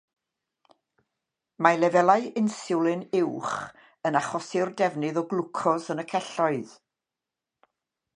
Mae lefelau inswlin uwch yn achosi'r defnydd o glwcos yn y celloedd.